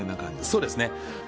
そうですね。